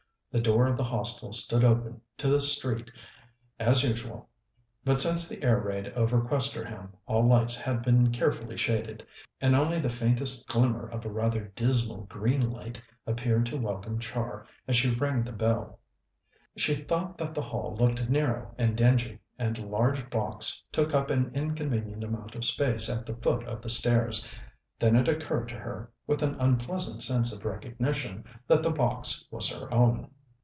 The door of the Hostel stood open to the street, as usual, but since the air raid over Questerham all lights had been carefully shaded, and only the faintest glimmer of a rather dismal green light appeared to welcome Char as she rang the bell. She thought that the hall looked narrow and dingy, and a large box took up an inconvenient amount of space at the foot of the stairs. Then it occurred to her, with an unpleasant sense of recognition, that the box was her own.